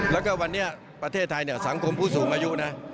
แล้วก็วันนี้ประเทศไทยเนี่ยสังคมผู้สูงอายุนะ